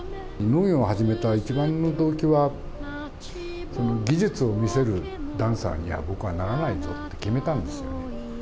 農業を始めた一番の動機は、技術を見せるダンサーには、僕はならないぞって決めたんですよね。